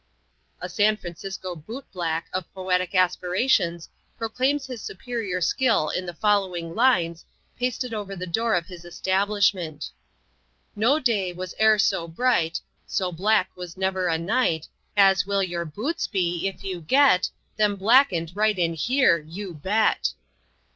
A San Francisco boot black, of poetic aspirations, proclaims his superior skill in the following lines, pasted over the door of his establishment: "No day was e'er so bright, So black was never a night, As will your boots be, if you get Them blacked right in here, you bet!"